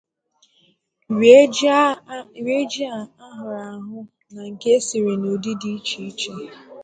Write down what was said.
rie ji a hụrụ ahụ na nke e siri n'ụdị dị iche iche